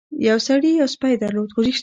یو سړي یو سپی درلود.